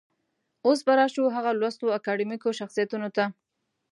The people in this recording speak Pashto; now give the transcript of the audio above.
اوس به راشو هغه لوستو اکاډمیکو شخصيتونو ته.